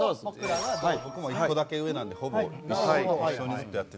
僕も１個だけ上なんでほぼ一緒にずっとやってて。